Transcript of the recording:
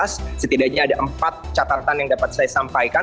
setidaknya ada empat catatan yang dapat saya sampaikan